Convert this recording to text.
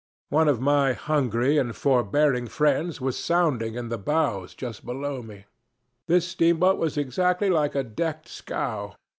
"One of my hungry and forbearing friends was sounding in the bows just below me. This steamboat was exactly like a decked scow.